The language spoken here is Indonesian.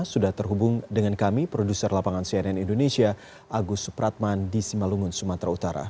sudah terhubung dengan kami produser lapangan cnn indonesia agus supratman di simalungun sumatera utara